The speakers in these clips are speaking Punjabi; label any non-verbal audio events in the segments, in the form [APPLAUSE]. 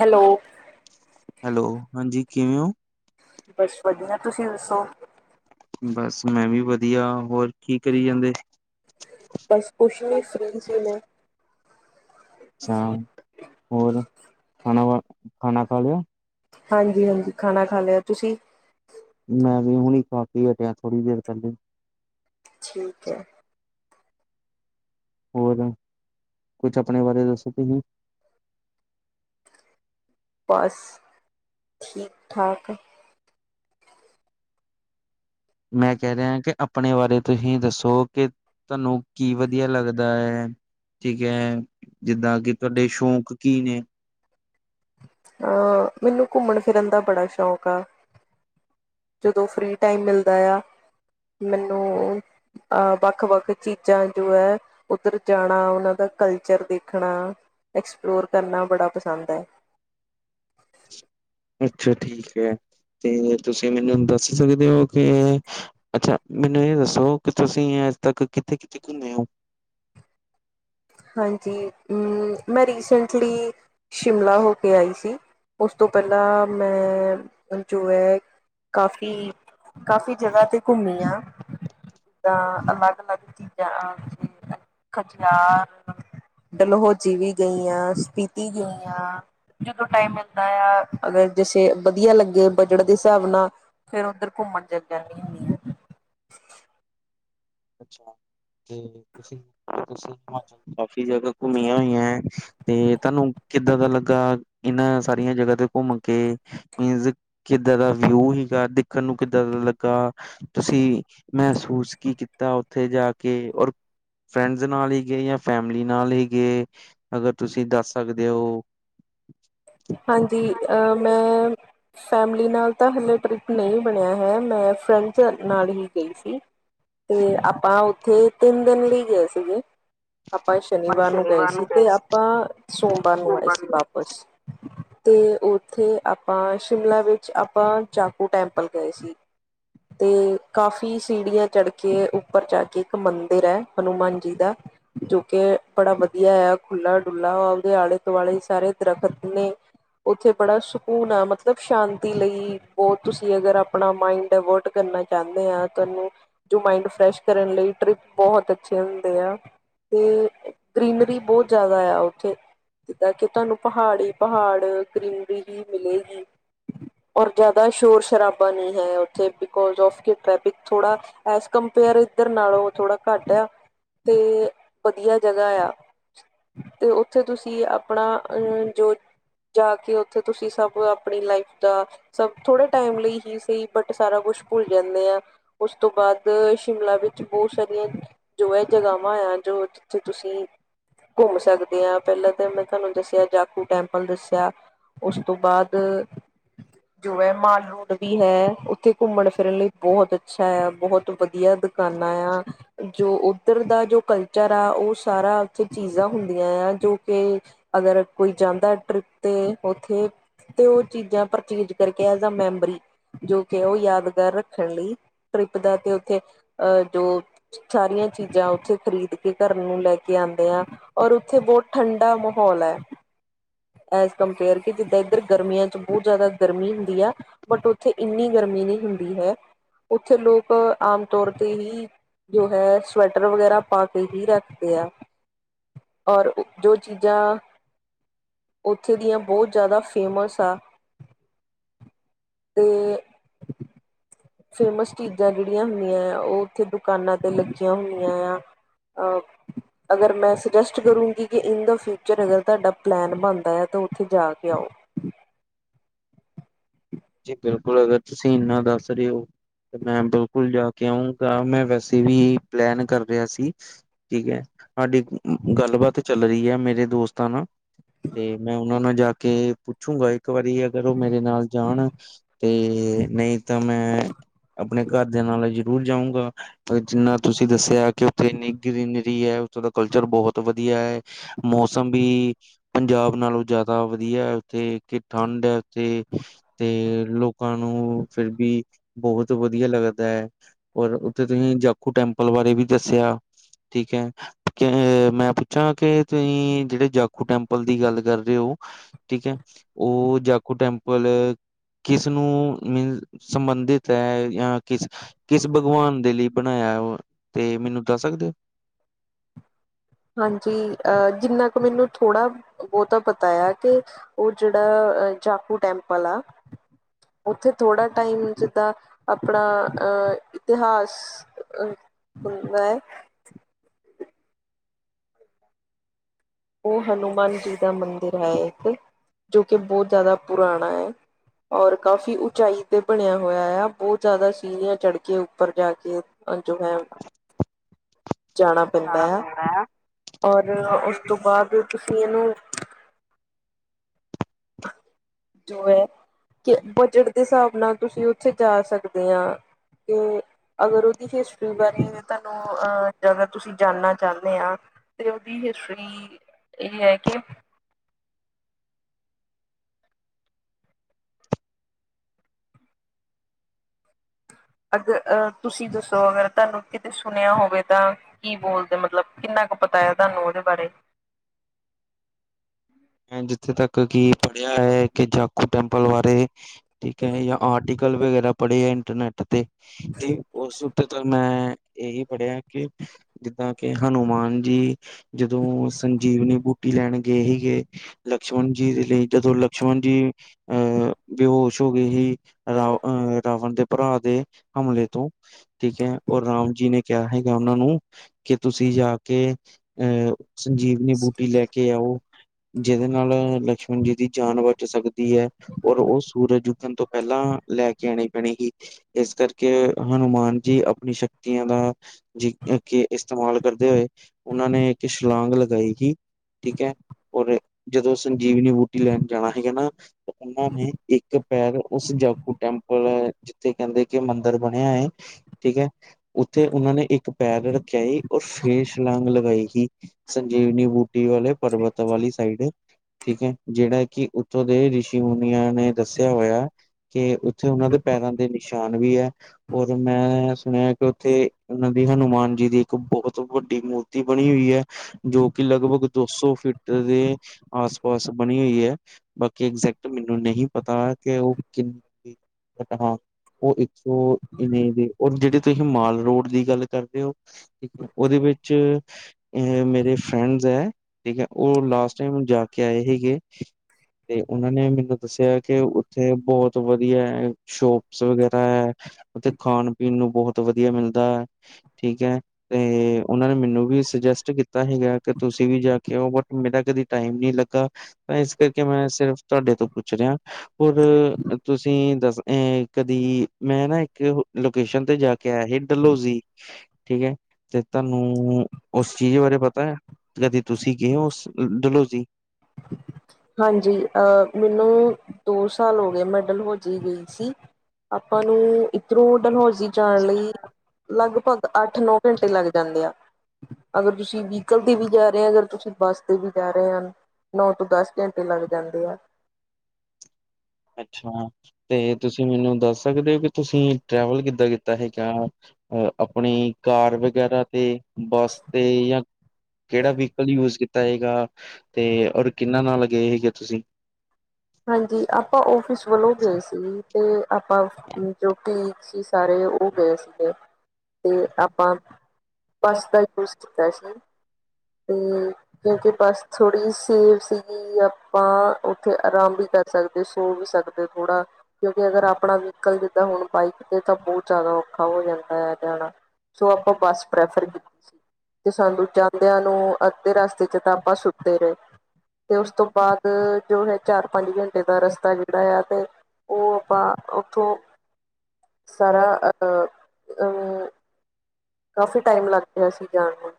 ਹੈਲੋ, ! ਹੈਲੋ, ਹਾਂਜੀ ਕਿਵੇਂ ਹੋ? ਬਸ ਵਧੀਆ ਤੁਸੀਂ ਦੱਸੋ? ਬਸ ਮੈਂ ਵੀ ਵਧੀਆ, ਹੋਰ- ਕੀ ਕਰੀ ਜਾਂਦੇ। ਬਸ ਕੁਛ ਨੀ ਫ੍ਰਰੀ ਸੀ ਮੈਂ ਅੱਛਾ, ਹੋਰ ਖਾਣਾ, ਖਾਣਾ ਖਾ ਲਿਆ। ਹਾਂਜੀ-ਹਾਂਜੀ, ਖਾਣਾ ਖਾ ਲਿਆ ਤੁਸੀਂ। ਮੈਂ ਵੀ ਹੁਣੀ ਕ ਹਟਿਆ ਥੋੜ੍ਹੀ ਦੇਰ ਪਹਿਲੇ ਠੀਕ ਹੈ, ਹੋਰ, ਕੁਛ ਆਪਣੇ ਬਾਰੇ ਦੱਸੋ ਤੁਸੀਂ ਬਸ ਠੀਕ -ਠਾਕ ਮੈਂ ਕਹਿ ਰਿਹਾ ਕਿ ਆਪਣੇ ਬਾਰੇ ਤੁਸੀਂ ਦੱਸੋ ਕਿ ਤੁਹਾਨੂੰ ਕੀ ਵਧੀਆ ਲੱਗਦਾ ਹੈ। ਠੀਕ ਹੈ, ਜਿੱਦਾਂ ਕਿ ਤੁਹਾਡੇ ਸ਼ੌਕ ਕੀ ਨੇ ਹਾਂ, ਮੈਨੂੰ ਘੁੰਮਣ ਫਿਰਨ ਦਾ ਬੜਾ ਸ਼ੌਕ ਆ ਜਦੋਂ ਫ੍ਰਰੀ ਟਾਈਮ ਮਿਲਦਾ ਆ, ਮੈਨੂੰ ਅਹ, ਵੱਖ -ਵੱਖ ਚੀਜ਼ਾਂ ਜੋ ਹੈ। ਉੱਧਰ ਜਾਣਾ ਉਹਨਾਂ ਦਾ ਕਲਚਰ ਦੇਖਣਾ, ਐਕਸਪਲੋਰ ਕਰਨਾ ਬੜਾ ਪਸੰਦ ਹੈ। ਅੱਛਾ ਠੀਕ ਹੈ, ਤੇ ਤੁਸੀਂ ਮੈਨੂੰ ਦੱਸ ਸਕਦੇ ਹੋ ਕਿ ਅੱਛਾ, ਮੈਨੂੰ ਇਹ ਦੱਸੋ ਕਿ ਤੁਸੀਂ ਅੱਜ ਤੱਕ ਕਿੱਥੇ- ਕਿੱਥੇ ਘੁੰਮੇ ਹੋ ਹਾਂਜੀ, ਅਮ ਮੈਂ ਰੀਸੈਂਟਲੀ ਸ਼ਿਮਲਾ ਹੋ ਕੇ ਆਈ ਸੀ, ਉਸ ਤੋਂ ਪਹਿਲਾਂ ਮੈਂ ਜੋ ਹੈ। ਕਾਫ਼ੀ, ਕਾਫ਼ੀ ਜਗ੍ਹਾ ਤੇ ਘੁੰਮੀ ਆ। ਦਾਂ ਅਲੱਗ- ਅਲੱਗ ਚੀਜ਼ਾਂ ਖਜਰ ਡਲਹੌਜ਼ੀ ਵੀ ਗਈ ਹਾਂ, ਸਪੀਤੀ ਗਈਆਂ। ਜਦੋਂ ਟਾਈਮ ਮਿਲਦਾ ਆ, ਅਗਰ ਜੇ ਵਧੀਆ ਲੱਗੇ ਬਜਟ ਦੇ ਹਿਸਾਬ ਨਾਲ ਫੇਰ ਉੱਧਰ ਘੁੰਮਣ ਚਲ ਜਾਂਦੀ ਹੁੰਦੀ ਆ। ਅੱਛਾ, ਤੇ ਤੁਸੀ, ਤੁਸੀ ਹਿਮਾਚਲ ਚ ਕਾਫ਼ੀ ਜਗਾ ਘੁੰਮੀਆਂ ਹੋਈਆਂ ਐ। ਤੇ ਤੁਹਾਨੂੰ ਕਿੱਦਾਂ ਦਾ ਲੱਗਾ? ਇਹਨਾਂ ਸਾਰੀਆਂ ਜਗ੍ਹਾ ਤੇ ਘੁੰਮ ਕੇ ਮੀਨਜ਼ ਕਿੱਦਾਂ ਦਾ ਵਿਊ ਸੀਗਾ, ਦੇਖਣ ਨੂੰ ਕਿੱਦਾਂ ਦਾ ਲੱਗਾ। ਤੁਸੀ ਮਹਿਸੂਸ ਕੀ ਕੀਤਾ ਓਥੇ ਜਾ ਕੇ? ਔਰ ਫ੍ਰੈਡਸ ਨਾਲ ਈ ਗਏ ਜਾ ਫੈਮਲੀ ਨਾਲ ਹੀ ਗਏ ਅਗਰ ਤੂਸੀ ਦੱਸ ਸਕਦੇ ਓ? ਹਾਂਜੀ, ਅ ਮੈਂ ਫੈਮਿਲੀ ਨਾਲ ਤਾਂ ਹੱਲੇ ਟ੍ਰਿਪ ਨਈ ਬਣਿਆ ਹੈ ਮੈਂ ਫ੍ਰੈਂਡਸ ਨਾਲ ਹੀ ਗਈ ਸੀ। ਤੇ ਆਪਾਂ ਉੱਥੇ ਤਿੰਨ ਦਿਨ ਲਈ ਗਏ ਸੀਗੇ। ਆਪਾਂ ਸ਼ਨੀਵਾਰ ਨੂੰ ਗਏ ਸੀ ਤੇ ਆਪਾਂ, ਸੋਮਵਾਰ ਨੂ ਆਏ ਸੀ ਵਾਪਸ। ਤੇ ਉੱਥੇ ਆਪਾਂ, ਸ਼ਿਮਲਾ ਵਿੱਚ ਆਪਾਂ ਜਾਕੂ ਟੈਂਪਲ ਗਏ ਸੀ। ਤੇ, ਕਾਫ਼ੀ ਸੀੜੀਆਂ ਚੜ ਕੇ, ਉੱਪਰ ਜਾ ਕੇ ਇਕ ਮੰਦਿਰ ਐ ਹਨੂਮਾਨ ਜੀ ਦਾ। ਜੋ ਕਿ ਬੜਾ ਵਧੀਆ ਆ ਖੁੱਲਾ ਡੁੱਲਾ ਓਦੇ ਆਲੇ ਦੁਆਲੇ ਸਾਰੇ ਦਰਖੱਤ ਨੇ ਓਥੇ ਬੜਾ ਸ਼ਕੂਨ ਆ ਮਤਲਬ ਸ਼ਾਂਤੀ ਲਈ, ਬੋਤ ਤੁਸੀਂ ਅਗਰ ਅਪਣਾ ਮਾਇੰਡ ਡੇਵ੍ਰਟ ਕਰਨਾ ਚ੍ਹਾਂਦੇ ਆ ਤੁਹਾਨੂੰ, ਜੋ ਮਾਇੰਡ ਫ੍ਰੈਸ਼ ਕਰਨ ਲਈ ਟ੍ਰਿਪ ਬੋਹਤ ਅੱਛੇ ਹੁੰਦੇ ਆ। ਤੇ, ਗ੍ਰੀਨਰੀ ਬੋਤ ਜ਼ਿਆਦਾ ਆ ਓਥੇ, ਜਿੱਦਾਂ ਕਿ ਤੁਹਾਨੂ ਪਹਾੜੀ ਪਹਾੜ ਗ੍ਰੀਨਰੀ ਹੀ ਮਿਲੇਗੀ। ਔਰ ਜ਼ਿਆਦਾ ਸ਼ੋਰ ਸ਼ਰਾਬਾ ਨੀ ਹੈ ਓੱਥੇ ਬਿਕੋਜ਼ ਔਫ਼ ਕੀ ਟ੍ਰੈਫਿਕ ਥੋੜਾ ਐਸ ਕੰਪੇਅਰ ਇਦੑਰ ਨਾਲੋਂ ਥੋੜਾ ਘੱਟ ਆ। ਤੇ, ਵਧੀਆ ਜਗਾ ਆ। ਤੇ ਉੱਥੇ ਤੁਸੀਂ ਆਪਣਾ ਅਹ ਜੋ ਜਾ ਕੇ ਉੱਥੇ ਤੁਸੀਂ ਸਭ ਆਪਣੀ ਲਾਈਫ ਦਾ ਸਭ ਥੋੜੇ ਟਾਈਮ ਲਈ ਹੀ ਸਹੀ ਬਟ ਸਾਰਾ ਕੁਛ ਭੁੱਲ ਜਾਂਦੇ ਆ। ਉਸ ਤੋਂ ਬਾਅਦ ਸ਼ਿਮਲਾ ਵਿੱਚ ਬਹੁਤ ਸਾਰੀਆਂ। ਜੋ ਏ ਜਗਾਵਾਂ ਆ ਜੋ ਜਿੱਥੇ ਤੁਸੀਂ ਘੁੰਮ ਸਕਦੇ ਆਂ ਪਹਿਲੇ ਤੇ ਮੈਂ ਤੁਹਾਨੂੰ ਦੱਸੇ ਆ ਜਾਕੂ ਟੈਂਪਲ ਦੱਸਾ ਆ ਉਸ ਤੋਂ ਬਾਆ ਦ, ਜੋ ਐ ਮਾਨ ਹੁਨ ਵੀ ਹੈ, ਉੱਥੇ ਘੁੰਮਣ ਫਿਰਨ ਲਈ ਬੋਤ ਅੱਛਾ ਆ, ਬੋਹਤ ਵਧੀਆ ਦੁਕਾਨਾਂ ਆ। ਜੋ ਉੱਧਰ ਦਾ ਜੋ ਕਲਚਰ ਆ ਓ ਸਾਰਾ ਉੱਥੇ ਚੀਜ਼ਾਂ ਹੁੰਦੀਆਂ ਆ ਜੋ ਕਿ ਅਗਰ, ਕੋਈ ਜਾਂਦਾ ਟ੍ਰਿਪ ਤੇ, ਓਥੇ, ਤੇ ਓ ਚੀਜਾਂ ਪਰਚੇਜ ਕਰਕੇ ਐਸ ਅ ਮੈੱਮਰੀ ਜੋ ਕਿ ਓ ਯਾਦਗਾਰ ਰੱਖਣ ਲਈ ਟ੍ਰਿਪ ਦਾ ਤੇ ਓਥੇ ਅ ਜੋ ਸਾਰੀਆਂ ਚੀਜਾਂ ਓਥੇ ਖ਼ਰੀਦ ਕੇ ਘਰ ਨੂੰ ਲੈ ਕੇ ਆਂਦੇ ਆ। ਔਰ ਉੱਥੇ ਬੋਤ ਠੰਡਾ ਮਹੌਲ ਐ। ਐਜ਼ ਕੰਪੇਅਰ ਕਿ ਜਿੱਦਾਂ ਏਧਰ ਗਰਮੀਆਂ ਚ ਬੋਤ ਜ਼ਿਆਦਾ ਗਰਮੀ ਹੁੰਦੀ ਆ। ਬਟ ਉੱਥੇ ਇਨੀ ਗਰਮੀ ਨਈ ਹੁੰਦੀ ਹੈ, ਉੱਥੇ ਲੋਕ ਆਮ ਤੌਰ ਤੇ ਹੀ ਜੋ ਹੈ, ਸਵੈਟਰ ਵਗੈਰਾ ਪਾ ਕੇ ਹੀ ਰੱਖਦੇ ਆ। ਔਰ, ਜੋ ਚੀਜਾਂ ਓੱਥੇ ਦੀਆਂ ਬੋਤ ਜ਼ਿਆਦਾ ਫੇ਼ਮਸ ਆ, ਤੇ ਫੇ਼ਮਸ ਚੀਜਾਂ ਜਿਹੜੀਆਂ ਹੁੰਦੀਆਂ ਆ ਓ ਉੱਥੇ ਦੁਕਾਨਾਂ ਤੇ ਲਗੀਆਂ ਹੁੰਈਆਂ ਆ, ਅ [INAUDIBLE] ਅਗਰ ਮੈਂ ਸਜੈਸਟ ਕਰੂੰਗੀ ਕਿ ਇਨ ਦਾ ਫਿਊਚਰ ਅਗਰ ਤੁਹਾਡਾ ਪਲੈਨ ਬਣਦਾ ਆ ਤਾ ਉੱਥੇ ਜਾ ਕੇ ਆਓ। ਜੀ ਬਿਲਕੁਲ ਅਗਰ ਤੂਸੀ ਇਨਾ ਦੱਸ ਰੇ ਓ, ਤੇ ਮੈਂ ਬਿਲਕੁਲ ਜਾ ਕੇ ਆਊਗਾ ਕਿਉਂਕਿ ਮੈਂ ਵੈਸੇ ਵੀ ਪਲੈਨ ਕਰ ਰੇਆ ਸੀ ਠੀਕ ਐ, ਸਾਡੀ ਗਲਬਾਤ ਚਲ ਰੀ ਐ ਮੇਰੇ ਦੋਸਤਾਂ ਨਾਲ ਤੇ ਮੈਂ ਓਨਾਂ ਨੂੰ ਜਾਕੇ ਪੁੱਛੂਗਾ ਇਕ ਵਾਰੀ ਅਗਰ ਓ ਮੇਰੇ ਨਾਲ ਜਾਣ ਤੇ, ਨਈ ਤਾਂ ਮੈਂ, ਅਪਣੇ ਘਰਦੇਆਂ ਨਾਲ ਜ਼ਰੂਰ ਜਾਊਂਗਾ। ਜਿੰਨਾ ਤੁਸੀਂ ਦੱਸਿਆ ਕਿ ਉੱਥੇ ਇਨੀ ਗ੍ਰੀਨਰੀ ਐ ਉੱਥੋਂ ਦਾ ਕਲਚਰ ਬਹੁਤ ਵਧੀਆ ਮੌਸਮ ਵੀ ਪੰਜਾਬ ਨਾਲੋਂ ਜਿਆਦਾ ਵਧੀਆ ਉੱਥੇ ਕਿ ਠੰਡ ਓਥੇ ਤੇ ਲੋਕਾਂ ਨੂ, ਫਿਰ ਵੀ ਬਹੁਤ ਵਧੀਆ ਲੱਗਦਾ। ਔਰ ਉੱਥੇ ਤੁਸੀ ਜਾਖੂ ਟੈਂਪਲ ਬਾਰੇ ਵੀ ਦੱਸਿਆ, ਠੀ ਐ। ਕੇ ਮੈਂ ਪੁੱਛਾਂ ਕਿ ਤੁਸੀਂ ਜਿਹੜੇ ਜਾਖੂ ਟੈਂਪਲ ਦੀ ਗਲ ਕਰਦੇ ਓ? ਠੀਕ ਐ ਉਹ ਜਾਕੂ ਟੈਂਪਲ। ਕਿਸਨੂੰ ਮੀਨਜ਼ ਸੰਬੰਧਿਤ ਹੈ ਜਾਂ ਕਿਸ -ਕਿਸ ਭਗਵਾਨ ਦੇ ਲਈ ਬਣਾਇਆ ਉਹ ਤੇ ਮੈਨੂੰ ਦੱਸ ਸਕਦੇ ਹੋ। ਹਾਂਜੀ ਅਹ ਜਿੰਨਾ ਕੁ ਮੈਨੂੰ ਥੋੜਾ ਬਹੁਤਾ ਪਤਾ ਆ ਕਿ ਉਹ ਜਿਹੜਾ ਜਾਕੂ ਟੈਂਪਲ ਆ। ਉੱਥੇ ਥੋੜ੍ਹਾ ਟਾਈਮ ਜਿੱਦਾਂ ਆਪਣਾ ਇਤਿਹਾਸ ਅ ਹੁੰਦਾ ਹੈ। ਉਹ ਹਨੂੰਮਾਨ ਜੀ ਦਾ ਮੰਦਿਰ ਹੈ ਇੱਕ ਜੋ ਕਿ ਬਹੁਤ ਜ਼ਿਆਦਾ ਪੁਰਾਣਾ ਹੈ। ਔਰ ਕਾਫ਼ੀ ਉਚਾਈ ਤੇ ਬਣਿਆ ਹੋਇਆ ਆ ਬਹੁਤ ਜ਼ਿਆਦਾ ਸੀੜੀਆਂ ਚੜਕੇ ਉੱਪਰ ਜਾ ਕੇ ਅੰਜੂ ਮੈਮ [INAUDIBLE] ਜਾਣਾ ਪੈਂਦਾ ਆ ਔਰ ਉਸ ਤੋਂ ਬਾਅਦ ਤੁਸੀਂ ਇਹਨੂੰ [UNINTELLIGIBLE] ਕਿ ਬਜਟ ਦੇ ਹਿਸਾਬ ਨਾਲ ਤੁਸੀਂ ਉੱਥੇ ਜਾ ਸਕਦੇ ਹਾਂ ਤੇ ਅਗਰ ਉਹਦੀ ਹਿਸਟਰੀ ਬਾਰੇ ਤੁਹਾਨੂੰ ਅਹ ਜ਼ਿਆਦਾ ਤੁਸੀਂ ਜਾਣਨਾ ਚਾਹਣੇ ਆਂ। ਤੇ ਉਹਦੀ ਹਿਸਟਰੀ ਇਹ ਹੈ ਕਿ ਅਗਰ ਅ ਤੁਸੀਂ ਦੱਸੋ ਅਗਰ ਤੁਹਾਨੂੰ ਕਿਤੇ ਸੁਣਿਆ ਹੋਵੇ ਤਾਂ ਕੀ ਬੋਲਦੇ ਮਤਲਬ ਕਿੰਨਾ ਕ ਪਤਾ ਤੂਆਨੂ ਓਦੇ ਬਾਰੇ। ਮੈਂ ਜਿੱਥੇ ਤਕ ਕਿ ਪੜਿਆ ਹੈ ਕਿ ਜਾਖੂ ਟੈਂਪਲ ਬਾਰੇ ਠੀਕ ਆ ਜਾ ਆਰਟੀਕਲ ਵਗੈਰਾ ਪੜੇ ਐ ਇੰਟਰਨੈਟ ਤੇ ਤੇ ਉਸ ਉੱਤੇ ਤਾ ਮੈਂ ਏਹੀ ਪੜਿਆ ਕਿ ਜਿੱਦਾਂ ਕਿ ਹਨੂੰਮਾਨ ਜੀ ਜਦੋਂ ਸੰਜੀਵਨੀ ਬੂਟੀ ਲੈਣ ਗਏ ਹੀਗੇ। ਲਕਸ਼ਮਣ ਜੀ ਦੇ ਲਈ ਜਦੋਂ ਲਕਸ਼ਮਣ ਜੀ ਅਹ ਬੇਹੋਸ਼ ਹੋ ਗਏ ਹੀ। ਰਾਵ ਅਹ ਰਾਵਣ ਦੇ ਭਰਾ ਦੇ ਹਮਲੇ ਤੋਂ ਠੀਕ ਹੈ ਔਰ ਰਾਮ ਜੀ ਨੇ ਕਿਹਾ ਸੀਗਾ ਉਹਨਾਂ ਨੂੰ [INAUDIBLE] ਕਿ ਤੁਸੀਂ ਜਾ ਕੇ ਅਹ ਸੰਜੀਵਨੀ ਬੂਟੀ ਲੈ ਕੇ ਆਓ। ਜਿਹਦੇ ਨਾਲ ਲਕਸ਼ਮਣ ਜੀ ਦੀ ਜਾਨ ਬਚ ਸਕਦੀ ਐ ਔਰ ਉਹ ਸੂਰਜ ਉੁਗਣ ਤੋਂ ਪਹਿਲਾਂ ਲੈ ਕੇ ਆਂਣੀ ਪੈਣੀ ਹੀ। ਇਸ ਕਰਕੇ ਹਨੂੰਮਾਨ ਜੀ ਆਪਣੀ ਸ਼ਕਤੀਆਂ ਦਾ ਜਿਦਾ ਕੇ ਇਸਤੇਮਾਲ ਕਰਦੇ ਹੋਏ ਉਹਨਾਂ ਨੇ ਇੱਕ ਛਲਾਂਗ ਲਗਾਈ ਹੀ ਠੀਕ ਹੈ। ਔਰ ਜਦੋਂ ਸੰਜੀਵਨੀ ਬੂਟੀ ਲੈਣ ਜਾਣਾ ਹੀਗਾ ਨਾ। ਉਹਨਾਂ ਨੇ ਇੱਕ ਪੈਰ ਉਸ ਜਾਕੂ ਟੈਂਪਲ ਐ ਜਿੱਥੇ ਕਹਿੰਦੇ ਜੇ ਮੰਦਿਰ ਬਣਿਆ ਹੈ ਠੀਕ ਹੈ। ਉੱਥੇ ਉਹਨਾਂ ਨੇ ਇੱਕ ਪੈਰ ਰੱਖਿਆ ਹੀ ਔਰ ਫੇਰ ਛਲਾਂਗ ਲਗਾਈ ਹੀ। ਸੰਜੀਵਨੀ ਬੂਟੀ ਵਾਲੇ ਪਰਬਤ [UNINTELLIGIBLE] ਠੀਕ ਹੈ ਜਿਹੜਾ ਕਿ ਉੱਥੋਂ ਦੇ ਰਿਸ਼ੀ ਮੁਨੀਆਂ ਨੇ ਦੱਸਿਆ ਹੋਇਆ। ਕੇ ਉੱਥੇ ਉਹਨਾਂ ਦੇ ਪੈਰਾਂ ਦੇ ਨਿਸ਼ਾਨ ਵੀ ਹੈ। ਔਰ ਮੈਂ ਸੁਣਿਆ ਕਿ ਉੱਥੇ ਉਹਨਾਂ ਵੀ ਹਨੂੰਮਾਨ ਜੀ ਦੀ ਇੱਕ ਬਹੁਤ ਵੱਡੀ ਮੂਰਤੀ ਬਣੀ ਹੋਈ ਹੈ ਜੋ ਕਿ ਲਗਭਗ ਦੋ ਸੌ ਫੀਟ ਤੁਸੀਂ ਆਸ ਪਾਸ ਬਣੀ ਇਹ ਹੈ ਬਾਕੀ ਐਜੈਕਟ ਮੈਨੂੰ ਨਹੀਂ ਪਤਾ ਕਿ ਉਹ ਕਿੰ [UNINTELLIGIBLE] ਉਹ ਇੱਕ ਸੌ ਦੇ ਇੰਨੀ ਦੀ ਔਰ ਜਿਹੜੇ ਤੁਸੀਂ ਮਾਲ ਰੋਡ ਦੀ ਗੱਲ ਕਰਦੇ ਹੋ। ਉਹਦੇ ਵਿੱਚ ਮੇਰੇ ਫਰੈਂਡਸ ਆ ਠੀਕ ਹੈ। ਉਹ ਲਾਸਟ ਟਾਈਮ ਜਾ ਕੇ ਆਏ ਹੀਗੇ। ਤੇ ਉਹਨਾਂ ਨੇ ਮੈਨੂੰ ਦੱਸਿਆ ਕਿ ਉੱਥੇ ਬਹੁਤ ਵਧੀਆ ਹੈ। ਸ਼ੋਪਸ ਵਗੈਰਾ ਹੈ ਅਤੇ ਖਾਣ ਪੀਣ ਨੂੰ ਬਹੁਤ ਬਹੁਤ ਵਧੀਆ ਮਿਲਦਾ ਠੀਕ ਹੈ ਤੇ ਉਹਨਾਂ ਨੇ ਮੈਨੂੰ ਵੀ ਸੁਜਸਟ ਕੀ ਕੀਤਾ ਹੀਗਾ ਕਿ ਤੁਸੀਂ ਵੀ ਜਾ ਕੇ ਆਓ ਬ ਮੇਰਾ ਕਦੀ ਟਾਈਮ ਨੀ ਲੱਗਾ ਤਾਂ ਇਸ ਕਰਕੇ ਮੈਂ ਸਿਰਫ ਤੁਹਾਡੇ ਤੋਂ ਪੁੱਛ ਰਿਹਾ। ਹੋਰ ਤੁਸੀਂ ਦੱਸ ਆ ਕਦੀ ਮੈਂ ਨਾ ਇੱਕ ਲੋਕੇਸ਼ਨ ਤੇ ਜਾ ਕੇ ਆਇਆ ਸੀ ਡਲੋਜ਼ੀ ਠੀਕ ਹੈ। ਤੇ ਤੁਹਾਨੂੰ ਉਸ ਚੀਜ਼ ਬਾਰੇ ਪਤਾ ਹੈ, ਕਦੇ ਤੁਸੀਂ ਗਿਆ ਹੋ ਉਸ ਡਲੋਜੀ? ਹਾਂਜੀ, ਅਹ ਮੈਨੂੰ ਦੋ ਸਾਲ ਹੋ ਗਏ, ਮੈਂ ਡਲੋਜੀ ਗਈ ਸੀ। ਆਪਾਂ ਨੂੰ ਇੱਧਰੋਂ ਡਲੋਜ਼ੀ ਜਾਣ ਲਈ, ਲਗਭਗ ਅੱਠ ਨੌ ਘੰਟੇ ਲੱਗ ਜਾਂਦੇ ਆ। ਅਗਰ ਤੁਸੀਂ ਵਹੀਕਲ ਤੇ ਵੀ ਜਾ ਰਹੇ ਹੋ ਅਗਰ ਤੁਸੀਂ ਬੱਸ ਤੇ ਵੀ ਜਾ ਰਹੇ ਹਨ ਨੌ ਤੋਂ ਦਸ, ਘੰਟੇ ਲੱਗ ਜਾਂਦੀ ਆ। ਅੱਛਾ ਤੇ ਤੁਸੀਂ ਮੈਨੂੰ ਦੱਸ ਸਕਦੇ ਹੋ ਕਿ ਤੁਸੀਂ ਟ੍ਰੈਵਲ ਕਿੱਦਾਂ ਕੀਤਾ ਹੈਗਾ। ਅਹ ਆਪਣੀ ਕਾਰ ਵਗੈਰਾ ਤੇ, ਬੱਸ ਤੇ ਜਾਂ ਕਿਹੜਾ ਵਹੀਕਲ ਯੂਜ ਕੀਤਾ ਤਾ ਹੈਗਾ, ਤੇ ਔਰ ਕਿੰਨਾ ਨਾਲ ਗਏ ਸੀਗੇ ਤੁਸੀਂ, ਹਾਂਜੀ, ਆਪਾਂ ਔਫਿਸ ਵੱਲੋਂ ਗਏ ਸੀ। ਤੇ ਆਪਾਂ ਜੋ ਕਲੀਗ ਸੀ ਸਾਰੇ ਉਹ ਗਏ ਸੀਗੇ। ਤੇ ਆਪਾਂ ਬਸ ਦਾ ਹੀ ਕੁਛ ਕੀਤਾ ਸੀ। ਕਿਉਂਕਿ ਬਸ ਥੋੜ੍ਹੀ ਜੀ ਸੇਫ ਸੀਗੀ ਆਪਾਂ ਉੱਥੇ ਆਰਾਮ ਵੀ ਕਰ ਸਕਦੇ ਸੋ ਵੀ ਸਕਦੇ ਥੋੜਾ, ਕਿਉਂਕਿ ਅਗਰ ਆਪਣਾ ਵਹੀਕਲ ਜਿੱਦਾਂ ਹੁਣ ਬਾਈਕ ਤੇ ਤਾਂ ਬਹੁਤ ਜ਼ਿਆਦਾ ਔਖਾ ਹੋ ਜਾਂਦਾ ਹੈ ਜਾਣਾਵ ਸੋ ਆਪਾਂ ਬੱਸ ਪ੍ਰੈਫਰ ਕੀਤੀ ਸੀ, ਤੇ ਸਾਨੂੰ ਜਾਂਦਿਆਂ ਨੂੰ ਅੱਧੇ ਰਸਤੇ ਜਿਦਾਂ ਆਪਾਂ ਸੁੱਤੇ ਰਹੇ। ਤੇ ਉਸ ਤੋਂ ਬਾਅਦ ਜੋ ਹੈ ਚਾਰ ਪੰਜ ਘੰਟੇ ਦਾ ਰਸਤਾ ਜਿਹੜਾ ਆ ਤੇ, ਉਹ ਆਪਾਂ ਉੱਥੋਂ, ਸਾਰਾ ਅਹ ਕਾਫ਼ੀ ਟਾਈਮ ਲੱਗ ਰਿਹਾ ਸੀ ਜਾਣ ਨੂੰ।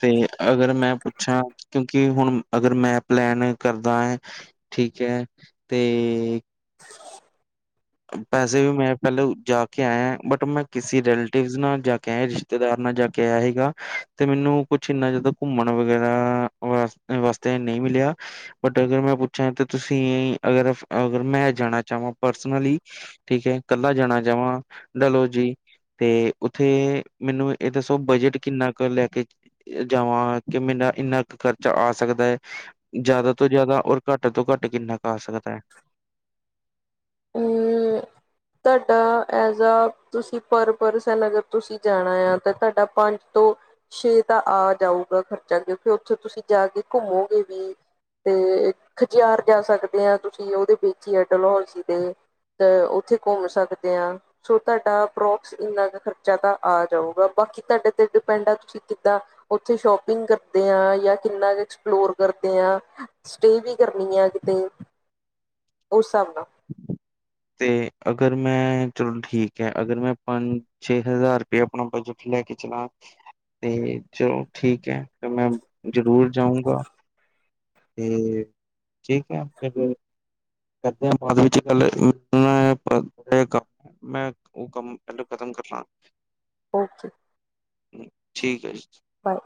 ਤੇ ਅਗਰ ਮੈਂ ਪੁੱਛਾ, ਕਿਉਂਕਿ ਹੁਣ ਅਗਰ ਮੈਂ ਪਲੈਨ ਕਰਦਾ ਹੈ ਠੀਕ ਹੈ, ਤੇ ਪੈਸੇ ਵੀ ਮੈਂ ਪਹਿਲਾਂ ਜਾ ਕੇ ਆਇਆ ਬਟ ਮੈਂ ਕਿਸੇ ਰਲੇਟਿਵ ਨਾਲ ਜਾ ਕੇ ਆਇਆ ਰਿਸ਼ਤੇਦਾਰ ਨਾਲ ਜਾ ਕੇ ਆਇਆ ਸੀਗਾ। ਤੇ ਮੈਨੂੰ ਕੁਛ ਇੰਨਾ ਜ਼ਿਆਦਾ ਘੁੰਮਣ ਵਗੈਰਾ ਵਾ ਵਾਸਤੇ ਨਹੀਂ ਮਿਲਿਆ, ਬਟ ਅਗਰ ਮੈਂ ਪੁੱਛਾਂ ਤੁਸੀਂ ਅਗਰ ਅਗਰ ਮੈਂ ਜਾਣਾ ਚਾਹਵਾਂ ਪਰਸ ਸਲੀ ਠੀਕ ਹੈ ਇਕੱਲਾ ਜਾਣਾ ਚਾਹਵਾਂ ਡਲੋਜੀ, ਤੇ ਉੱਥੇ ਮੈਨੂੰ ਇਹ ਦੱਸੋ ਬਜਟ ਕਿੰਨਾ ਕੁ ਲੈ ਕੇ ਜਾਵਾਂ ਕਿ ਮੇਰਾ ਇੰਨਾ ਕੁ ਖਰਚਾ ਆ ਸਕਦਾ ਹੈ, ਜ਼ਿਆਦਾ ਤੋਂ ਜ਼ਿਆਦਾ ਔਰ, ਘੱਟ ਤੋਂ ਘੱਟ ਕਿੰਨਾ ਆ‌ ਸਕਦਾ ਹੈ। ਹਾਂ। ਤੁਹਾਡਾ ਐਜ ਆ ਤੁਸੀਂ ਪਰਪਸਨ ਨਗਰ ਤੁਸੀਂ ਜਾਣਾ ਆ ਤਾਂ ਤੁਹਾਡਾ ਪੰਜ ਤੋਂ, ਛੇ ਤਾਂ ਆ ਜਾਊਗਾ ਖਰਚਾ ਕਿਉਂਕਿ ਉੱਥੇ ਤੁਸੀਂ ਜਾ ਕੇ ਘੁੰਮੋਗੇ ਵੀ। ਤੇ ਖਜਿਆਰ ਜਾ ਸਕਦੇ ਹਾਂ ਤੁਸੀਂ ਉਹਦੇ ਵਿੱਚ ਹੀ ਆ ਡਲਹੌਜੀ ਦੇ, ਤੇ ਉੱਥੇ ਘੁੰਮ ਸਕਦੇ ਹਾਂ। ਸੋ ਤੁਹਾਡਾ ਪੋਕਸ ਇੰਨਾ ਕੁ ਖਰਚਾ ਤਾਂ ਆ ਜਾਊਗਾ ਬਾਕੀ ਤੁਹਾਡੇ ਤੇ ਡਿਪੈਂਡ ਆ ਤੁਸੀਂ ਕਿੱਦਾਂ, ਉੱਥੇ ਸ਼ੋਪਿੰਗ ਕਰਦੇ ਹਾਂ ਜਾਂ ਕਿੰਨਾ ਕੁ ਐਕਸਪਲੋਰ ਕਰਦੇ ਹਾਂ, ਸਟਏ ਵੀ ਕਰਨੀ ਆ ਕਿਤੇ, ਉਸ ਹਿਸਾਬ ਨਾਲ, ਤੇ ਅਗਰ ਮੈਂ ਚਲੋ ਠੀਕ ਹੈ ਅਗਰ ਮੈਂ ਪੰਜ ਛੇ ਹਜ਼ਾਰ ਰੁਪਇਏ ਆਪਣਾ ਬਜਟ ਲੈ ਕੇ ਚਲਾ ਤੇ ਚਲੋ ਠੀਕ ਹੈ। ਤੇ ਮੈਂ ਜ਼ਰੂਰ ਜਾਊਂਗਾ। ਤੇ ਠੀਕ ਹੈ, ਫਿਰ, ਕਰਦੇ ਹਾਂ ਬਾਅਦ ਵਿੱਚ ਗੱਲ, ਮੈਂ ਉਹ ਕੰਮ ਪਹਿਲਾ ਖਤਮ ਕਰਲਾਂ, ਪੋਚ, ਠੀਕ ਹੈ ਜੀ। ਬਾਏ,